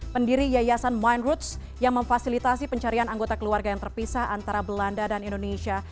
pendiri yayasan mindroots yang memfasilitasi pencarian anggota keluarga yang terpisah antara belanda dan indonesia